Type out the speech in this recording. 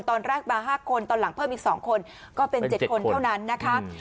ตอนแรกมา๕คนตอนหลังเพิ่มอีก๒คนก็เป็น๗คนเท่านั้นนะคะ